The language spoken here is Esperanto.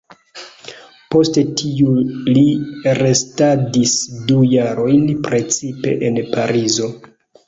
Post tiu li restadis du jarojn precipe en Parizo.